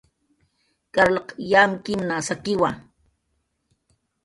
Carlq yamkimna sakiwa